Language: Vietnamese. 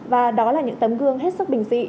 và đó là những tấm gương hết sức bình dị